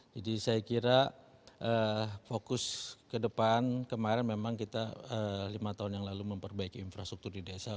jadi saya kira fokus ke depan kemarin memang kita lima tahun yang lalu memperbaiki infrastruktur di desa